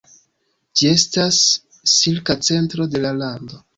Ĝi estas silka centro de la lando.